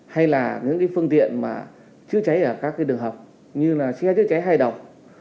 hay là những phương tiện chữa cháy ở các đường học như chất chữa cháy hai độc